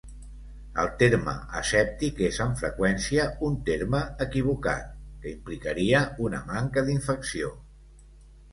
El terme asèptic és amb freqüència un terme equivocat, que implicaria una manca d'infecció.